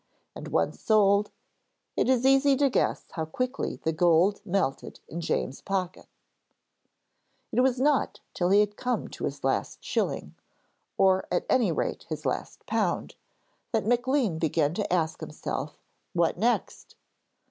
And once sold, it is easy to guess how quickly the gold melted in James's pocket. It was not till he had come to his last shilling or at any rate his last pound that Maclean began to ask himself 'What next?'